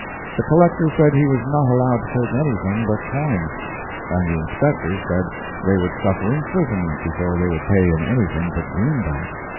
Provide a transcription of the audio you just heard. The Collector said he was not allowed to take anything but coin, and the inspectors said they would suffer imprisonment before they would pay in anything but green backs.